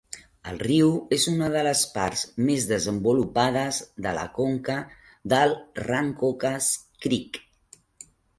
El riu és una de les parts més desenvolupades de la conca del Rancocas Creek.